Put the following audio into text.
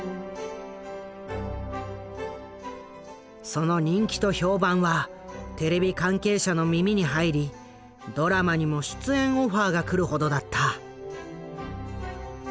その人気と評判はテレビ関係者の耳に入りドラマにも出演オファーが来るほどだった。